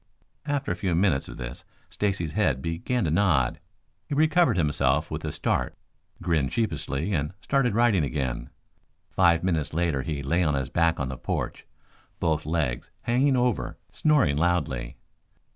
After a few minutes of this Stacy's head began to nod. He recovered himself with a start, grinned sheepishly, and started writing again. Five minutes later he lay on his back on the porch, both legs hanging over, snoring loudly.